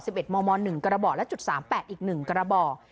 เอ็มมหนึ่งกระบอกและจุดสามแปดอีกหนึ่งกระบอก